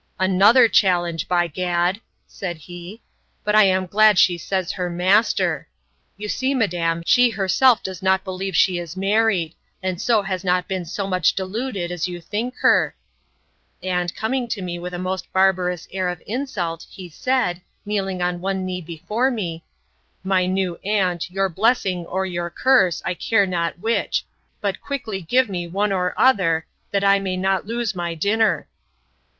Another challenge, by gad! said he; but I am glad she says her master!—You see, madam, she herself does not believe she is married, and so has not been so much deluded as you think for: And, coming to me with a most barbarous air of insult, he said, kneeling on one knee before me, My new aunt, your blessing or your curse, I care not which; but quickly give me one or other, that I may not lose my dinner!